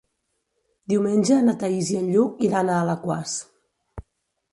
Diumenge na Thaís i en Lluc iran a Alaquàs.